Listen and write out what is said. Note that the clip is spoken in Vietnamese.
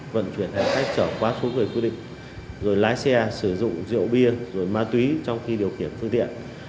vận chuyển hành khách trở quá số người quy định rồi lái xe sử dụng rượu bia rồi ma túy trong khi điều khiển phương tiện